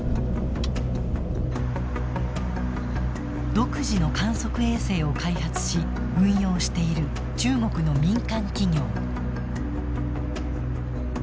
独自の観測衛星を開発し運用している、中国の民間企業。